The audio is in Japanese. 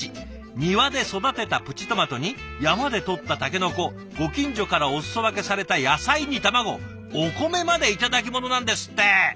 庭で育てたプチトマトに山で採ったタケノコご近所からお裾分けされた野菜に卵お米まで頂き物なんですって！